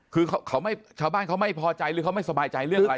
คือชาวบ้านเขาไม่พอใจหรือเขาไม่สบายใจเรื่องอะไร